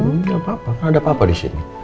gak apa apa kan ada papa di sini